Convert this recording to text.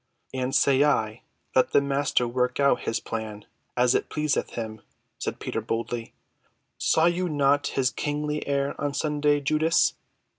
"And I say let the Master work out his plans as it pleaseth him," said Peter boldly. "Saw you not his kingly air on Sunday, Judas?